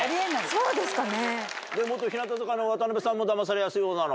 そうですかね。